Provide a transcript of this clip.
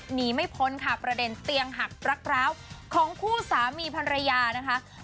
หนีไม่พ้นค่ะประเด็นเตียงหักรักร้าวของคู่สามีภรรยานะคะ